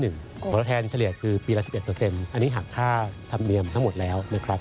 ขอแทนเฉลี่ยคือปีละ๑๑อันนี้หักค่าธรรมเนียมทั้งหมดแล้วนะครับ